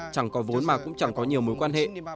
chẳng có vốn mà cũng chẳng có nhiều mối quan hệ